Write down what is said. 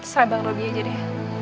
setelah bang lobby aja deh